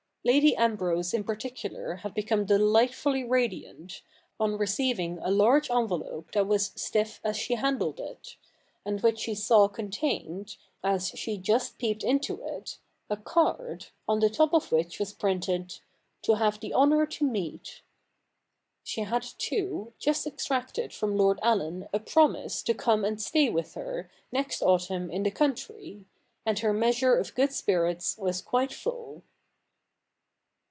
Lady Ambrose in particular had become delightfully radiant, on receiving a large envelope that was stiff as she handled it : and which she saw contained, as she just peeped into it, a card, on the top of which was printed, ' To have the honour to meet —.' She had, too, just extracted from Lord Allen a promise to come and stay with her, next autumn, in the country : and her measure of good spirits was quite full.